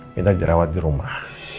minta jerawat di rumah